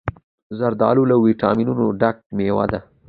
زردالو له ویټامینونو ډکه مېوه ده.